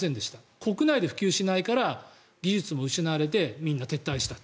国内で普及しないから技術も失われてみんな撤退したと。